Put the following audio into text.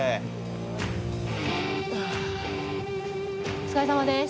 お疲れさまでした。